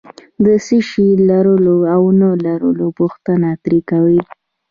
د څه شي د لرلو او نه لرلو پوښتنه ترې کوي.